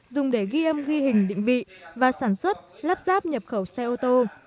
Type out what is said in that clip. dùng để ghi âm ghi hình định vị và sản xuất lắp ráp nhập khẩu xe ô tô